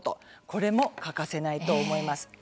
これも欠かせないと思います。